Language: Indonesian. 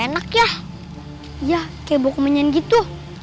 enak ya iya keboku menyen gitu